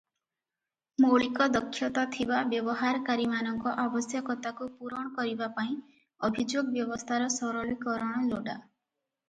ମୌଳିକ ଦକ୍ଷତା ଥିବା ବ୍ୟବହାରକାରୀମାନଙ୍କ ଆବଶ୍ୟକତାକୁ ପୂରଣ କରିବା ପାଇଁ ଅଭିଯୋଗ ବ୍ୟବସ୍ଥାର ସରଳୀକରଣ ଲୋଡ଼ା ।